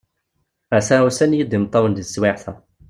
Ata usan-iyi-d imeṭṭawen deg teswiεt-a.